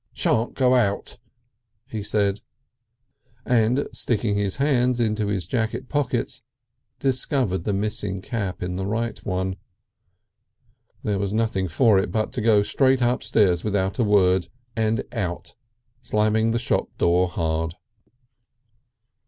"Shan't go out!" he said, and sticking his hands into his jacket pockets discovered the missing cap in the right one. There was nothing for it but to go straight upstairs without a word, and out, slamming the shop door hard.